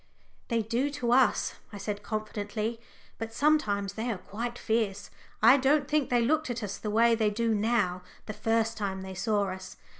"They do to us," I said confidently, "but sometimes they are quite fierce. I don't think they looked at us the way they do now the first time they saw us.